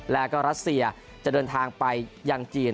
แล้วก็รัสเซียจะเดินทางไปยังจีน